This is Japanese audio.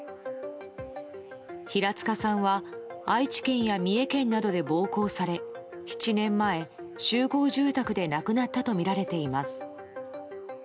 平塚さんは愛知県や三重県などで暴行され７年前、集合住宅で亡くなったとみられています。